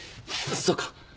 そうか。